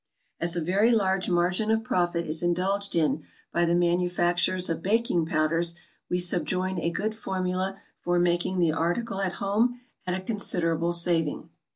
As a very large margin of profit is indulged in by the manufacturers of baking powders, we subjoin a good formula for making the article at home at a considerable saving.